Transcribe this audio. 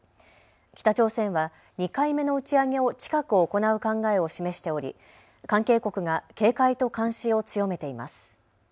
北朝鮮は２回目の打ち上げを近く行う考えを示しており関係国が警戒と監視を強めています。